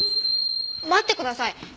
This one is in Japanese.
待ってください。